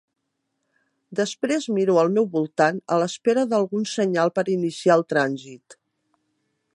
Després miro al meu voltant, a l'espera d'algun senyal per iniciar el trànsit.